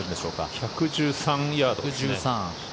１１３ヤードです。